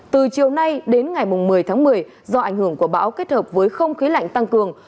từ chiều nay đến ngày một mươi tháng một mươi do ảnh hưởng của bão kết hợp với không khí lạnh tăng cường